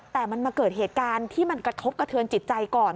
แต่มันมาเกิดเหตุการณ์ที่มันกระทบกระเทือนจิตใจก่อน